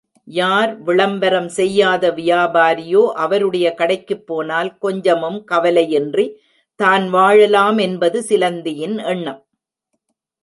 யார் விளம்பரம் செய்யாத வியாபாரியோ அவருடைய கடைக்குப் போனால் கொஞ்சமும் கவலையின்றி தான் வாழலாம் என்பது சிலந்தியின் எண்ணம்.